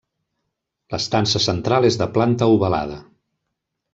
L'estança central és de planta ovalada.